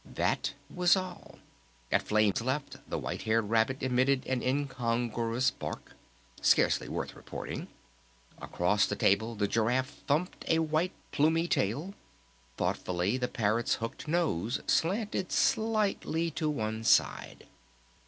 That was all! At Flame's left, the White Haired Rabbit emitted an incongruous bark.... Scarcely worth reporting! Across the table the Giraffe thumped a white, plumy tail. Thoughtfully the Parrot's hooked nose slanted slightly to one side.